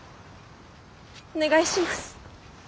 お願いします。